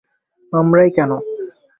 আমরাই কেন?